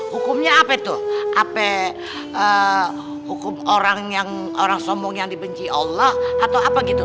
hukumnya apa itu apa hukum orang sombong yang dibenci allah atau apa gitu